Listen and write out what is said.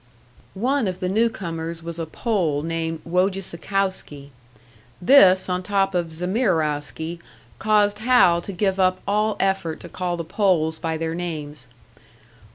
One of the new comers was a Pole named Wojecicowski; this, on top of Zamierowski, caused Hal to give up all effort to call the Poles by their names.